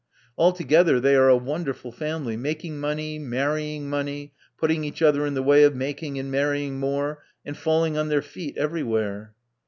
Altogether, they are a wonderful family: making money, marrying money, putting each other in the way of making and marrying more, and falling on their feet everywhere."